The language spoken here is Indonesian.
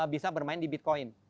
bisa bermain di bitcoin